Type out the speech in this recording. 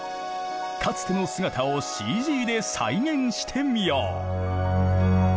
かつての姿をＣＧで再現してみよう！